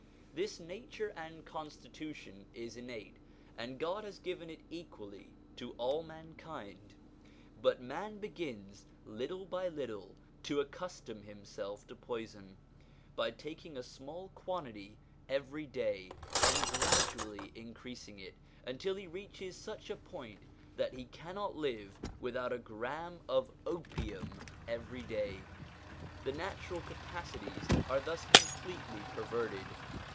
This nature and constitution is innate, and God has given it equally to all mankind. But man begins little by little to accustom himself to poison, by taking a small quantity each day, and gradually increasing it, until he reaches such a point that he cannot live without a gramme of opium every day. The natural capacities are thus completely perverted.